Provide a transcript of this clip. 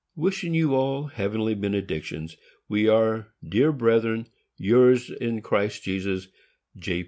Wishing you all heavenly benedictions, we are, dear brethren, yours, in Christ Jesus, J.